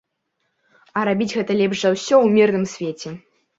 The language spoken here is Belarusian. А рабіць гэта лепш за ўсё ў мірным свеце.